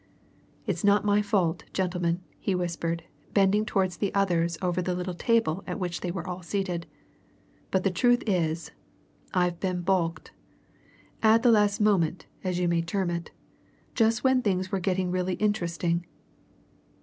"It's not my fault, gentlemen," he whispered, bending towards the others over the little table at which they were all seated. "But the truth is I've been baulked! At the last moment as you may term it. Just when things were getting really interesting!"